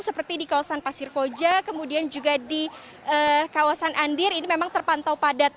seperti di kawasan pasir koja kemudian juga di kawasan andir ini memang terpantau padat